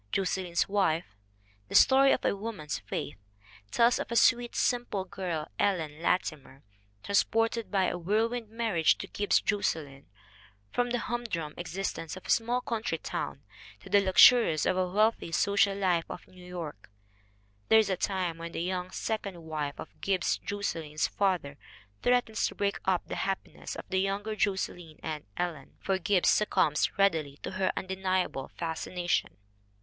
Josselyn's Wife, "the story of a woman's faith," tells of a sweet, simple girl, Ellen Latimer, transported by a whirlwind marriage to Gibbs Josselyn from the humdrum existence of a small country town to the luxuries of the wealthy social life of New York. There is a time when the young second wife of Gibbs Jos selyn's father threatens to break up the happiness of the younger Josselyn and Ellen, for Gibbs succumbs readily to her undeniable fascination.